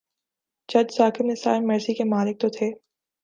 جج ثاقب نثار مرضی کے مالک تو تھے۔